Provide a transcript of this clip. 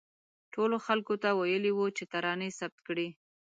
ټولو خلکو ته ویلي وو چې ترانې ثبت کړي.